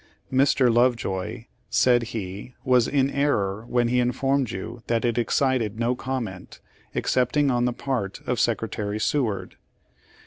Mr. Lovejoy," said he, "was in error when he informed you that it excited no comment, excepting on the part of Secretary Seward.